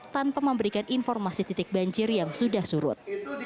tanpa memberikan informasi titik banjir yang sudah surut